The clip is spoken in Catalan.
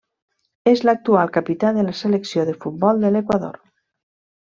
És l'actual capità de la selecció de futbol de l'Equador.